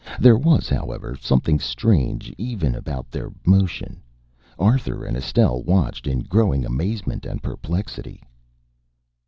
There was, however, something strange even about their motion. Arthur and Estelle watched in growing amazement and perplexity.